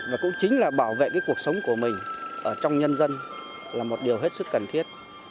và cũng chính là bảo vệ cái cuộc sống của mình ở trong nhân dân là một điều hết sức cần thiết